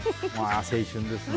青春ですね。